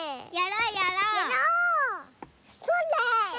それ！